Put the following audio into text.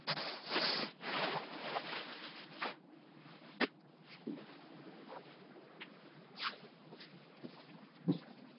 His vice-president was Alejandro Solorzano, the former chief of the National Police.